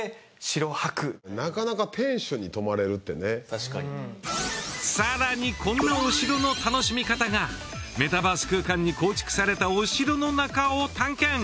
確かにさらにこんなお城の楽しみ方がメタバース空間に構築されたお城の中を探検！